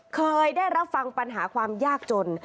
เคยได้รับฟังปัญหาความยากจน